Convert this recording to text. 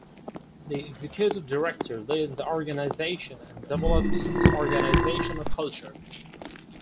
The executive director leads the organization and develops its organizational culture.